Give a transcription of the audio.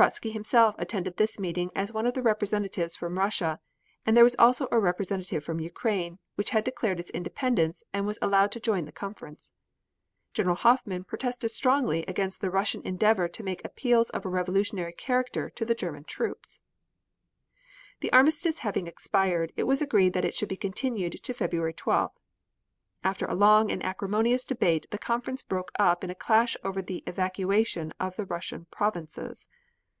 Trotzky himself attended this meeting as one of the representatives from Russia, and there was also a representative from Ukraine, which had declared its independence, and was allowed to join the conference. General Hoffman protested strongly against the Russian endeavor to make appeals of a revolutionary character to the German troops. [Illustration: Map: Europe and Eastern Asia.] RUSSIA AS PARTITIONED BY THE BREST LITOVSK TREATY The armistice having expired, it was agreed it should be continued to February 12th. After a long and acrimonious debate the Conference broke up in a clash over the evacuation of the Russian provinces.